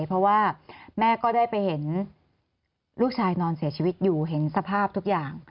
เพราะว่าแม่ก็ได้ไปเห็นลูกชายนอนเสียชีวิตอยู่เห็นสภาพทุกอย่าง